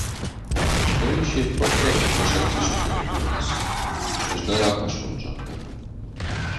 Стӕй се ʼппӕт дӕр кӕсӕнцӕстмӕ лӕбурынц, ӕз дӕр акӕсон, зӕгъгӕ.